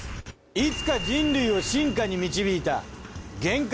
いつか人類を進化に導いた原核